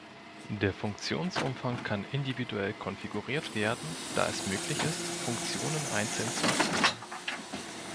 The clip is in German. Der Funktionsumfang kann individuell konfiguriert werden, da es möglich ist, Funktionen einzeln zu aktivieren.